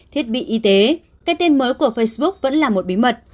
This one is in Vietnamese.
thiết bị y tế cái tên mới của facebook vẫn là một bí mật